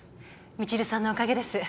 未知留さんのおかげです